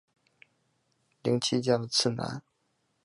绫崎家的次男。